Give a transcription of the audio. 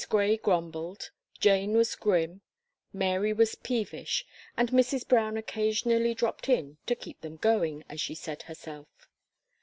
Gray grumbled, Jane was grim, Mary was peevish, and Mrs. Brown occasionally dropped in "to keep them going," as she said herself.